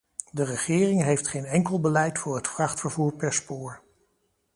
De regering heeft geen enkel beleid voor het vrachtvervoer per spoor.